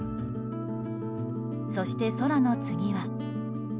そして空の次は。